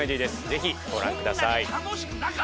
是非ご覧ください。